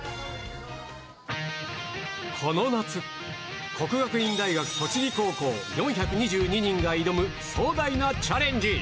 この夏、國學院大學栃木高校４２２人が挑む壮大なチャレンジ。